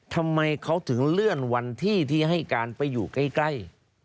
ทำไมเขาถึงเลื่อนวันที่ที่ให้การไปอยู่ใกล้